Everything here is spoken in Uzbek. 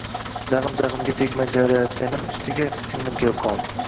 jag`im-jag`imga tegmay javrayotganim ustiga singlim kelib qoldi